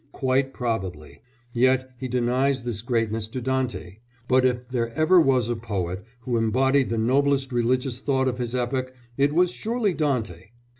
Quite probably! Yet he denies this greatness to Dante, but if there ever was a poet who embodied the noblest religious thought of his epoch it was surely Dante!